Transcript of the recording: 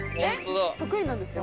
得意なんですか？